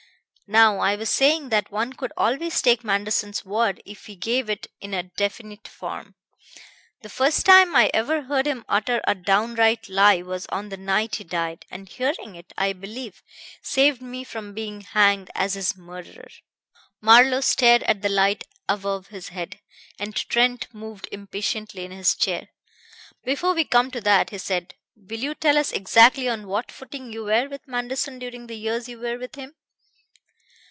"Now I was saying that one could always take Manderson's word if he gave it in a definite form. The first time I ever heard him utter a downright lie was on the night he died; and hearing it, I believe, saved me from being hanged as his murderer." Marlowe stared at the light above his head, and Trent moved impatiently in his chair. "Before we come to that," he said, "will you tell us exactly on what footing you were with Manderson during the years you were with him."